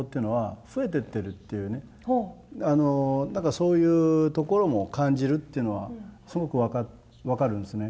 そういうところも感じるっていうのはすごく分かるんですね。